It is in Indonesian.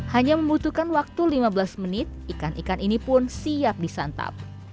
hanya membutuhkan waktu lima belas menit ikan ikan ini pun siap disantap